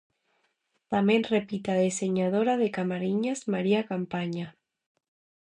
Tamén repite a deseñadora de Camariñas María Campaña.